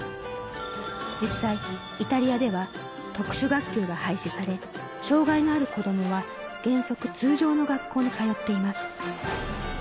実際、イタリアでは特殊学級が廃止され、障がいのある子どもは、原則、こちらになります。